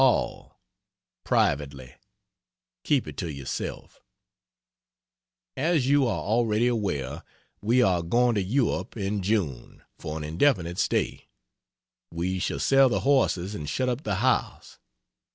HALL, Privately keep it to yourself as you, are already aware, we are going to Europe in June, for an indefinite stay. We shall sell the horses and shut up the house.